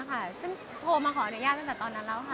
น้องก็โทรมาค่ะซึ่งโทรมาขออนุญาตตั้งแต่ตอนนั้นแล้วค่ะ